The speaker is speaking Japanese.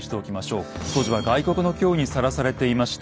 当時は外国の脅威にさらされていました。